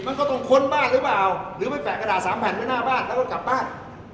มันก็ต้องค้นบ้านหรือเปล่าหรือไปแปะกระดาษสามแผ่นไว้หน้าบ้านแล้วก็กลับบ้าน